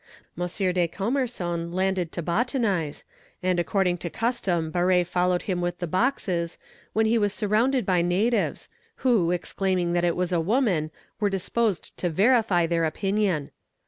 M. de Commerson landed to botanize, and according to custom Barré followed him with the boxes, when he was surrounded by natives, who, exclaiming that it was a woman, were disposed to verify their opinion.